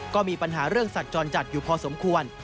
ก็มีปัญหาเรื่องสัตว์จรจัดอยู่พอสมควร